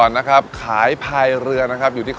เช่นอาชีพพายเรือขายก๋วยเตี๊ยว